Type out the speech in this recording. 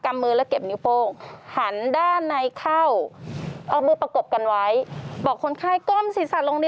เอามือประกบกันไว้